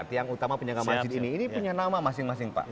tiang utama penjaga masjid ini ini punya nama masing masing pak